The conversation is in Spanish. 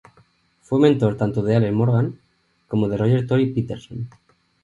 Fue mentor tanto de Allen Morgan como de Roger Tory Peterson.